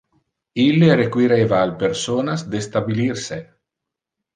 Ille requireva al personas de stabilir se.